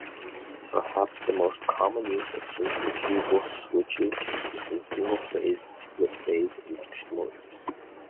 Perhaps the most common use of centrifugal switches is within single-phase, split-phase induction motors.